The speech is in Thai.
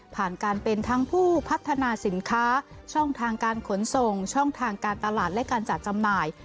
ผ่านการเป็นทั้งผู้พัฒนาสินค้าช่องทางการขนส่งช่องทางการตลาดและการจัดจำหน่าย